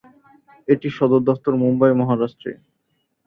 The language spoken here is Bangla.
এটির সদর দফতর মুম্বই, মহারাষ্ট্রে।